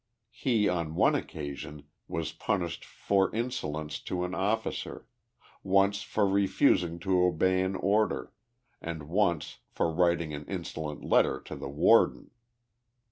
He, on one occasion, was punished * lor insolence to an officer ; once 4 for refusing to obey an order,' and once 4 for writing an insolent letter to the warden.